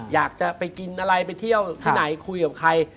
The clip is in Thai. อยากจะไปกินอะไรไปเที่ยวที่ไหนคุยกับใคร